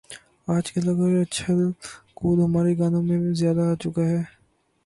آج کل اگر اچھل کود ہمارے گانوں میں زیادہ آ چکا ہے۔